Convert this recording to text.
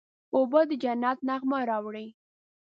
اوبه د جنت نغمه راوړي.